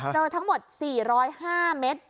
เจอทั้งหมด๔๐๕เมตร